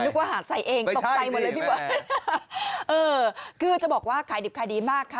นึกว่าหาใส่เองตกใจหมดเลยเออคือจะบอกว่าขายดิบคายดีมากค่ะ